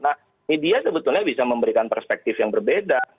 nah media sebetulnya bisa memberikan perspektif yang berbeda